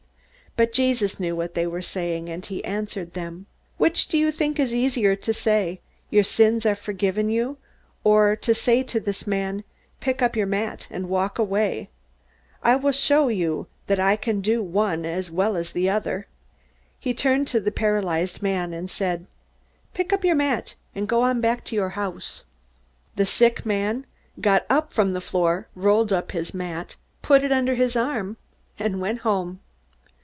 But Jesus knew what they were saying, and he answered them: "Which do you think is easier to say, 'Your sins are forgiven you,' or to say to this man, 'Pick up your mat and walk away'? I will show you that I can do one as well as the other!" He turned to the paralyzed man and said, "Pick up your mat, and go on back to your house." The sick man got up from the floor, rolled up the mat and put it under his arm, and went home.